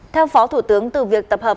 theo phó thủ tướng từ việc tập hợp